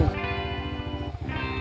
pasti belum diturunin